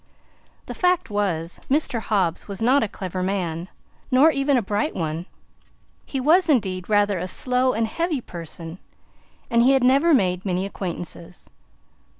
The fact was, Mr. Hobbs was not a clever man nor even a bright one; he was, indeed, rather a slow and heavy person, and he had never made many acquaintances.